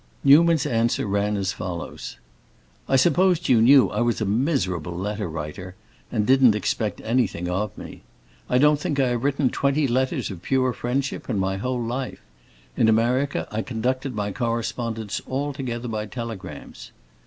Newman's answer ran as follows:— "I supposed you knew I was a miserable letter writer, and didn't expect anything of me. I don't think I have written twenty letters of pure friendship in my whole life; in America I conducted my correspondence altogether by telegrams.